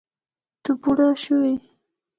ته بوډه شوې